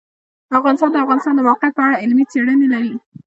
افغانستان د د افغانستان د موقعیت په اړه علمي څېړنې لري.